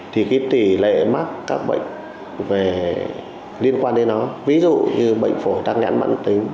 thì tỷ lệ mắc các bệnh liên quan đến nó ví dụ như bệnh phổi đang nhẵn bản tính